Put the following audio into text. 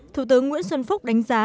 thủ tướng nguyễn xuân phúc đánh giá